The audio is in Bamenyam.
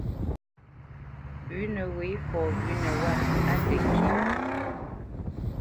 Pʉ̌nə wê fɔ wʉ̌nə wâ á təŋkyé.